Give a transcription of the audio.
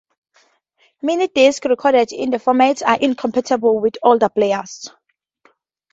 MiniDiscs recorded in this format are incompatible with older players.